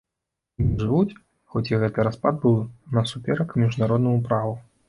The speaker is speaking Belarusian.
І не жывуць, хоць і гэты распад быў насуперак міжнароднаму праву.